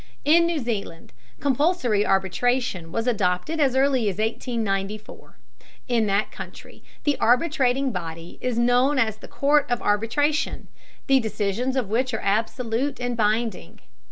In New Zealand, compulsory arbitration was adopted as early as 1894. In that country the arbitrating body is known as the court of arbitration, the decisions of which are absolute and binding.